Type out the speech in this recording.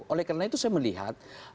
oleh karena itu saya melihat